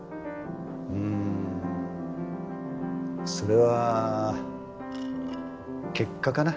んーそれは結果かな。